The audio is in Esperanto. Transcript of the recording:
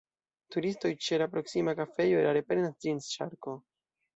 Turistoj ĉe la proksima kafejo erare prenas ĝin ŝarko.